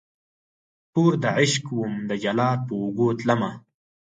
توردعشق وم دجلاد په اوږو تلمه